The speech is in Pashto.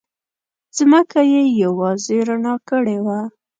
ځمکه یې یوازې رڼا کړې وه.